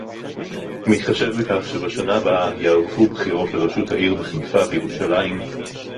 בהתחשב בכך שבשנה הבאה ייערכו בחירות לראשות העיר בחיפה וירושלים